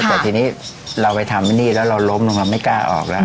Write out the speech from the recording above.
แต่ทีนี้เราไปทำไอ้นี่แล้วเราล้มลงเราไม่กล้าออกแล้ว